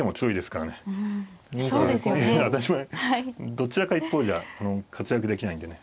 どちらか一方じゃ活躍できないんでね。